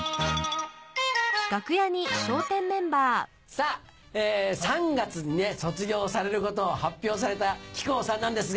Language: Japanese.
さぁ３月に卒業されることを発表された木久扇さんなんですが。